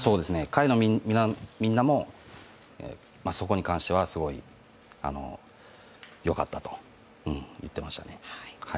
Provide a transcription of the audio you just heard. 会のみんなも、そこに関してはすごいよかったと言ってましたね。